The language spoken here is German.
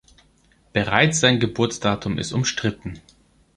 Bereits sein Geburtsdatum ist umstritten.